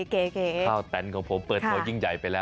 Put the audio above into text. ข้าวแตนของผมเปิดตัวยิ่งใหญ่ไปแล้ว